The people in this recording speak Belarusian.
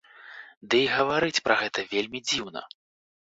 Ды і гаварыць пра гэта вельмі дзіўна.